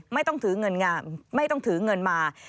ไม่ต้องถือเงินมา